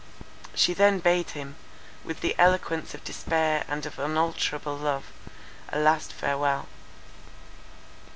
She then bade him, with the eloquence of despair and of unalterable love, a last farewell.